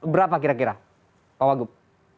berapa kira kira pak wagub